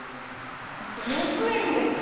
６円です。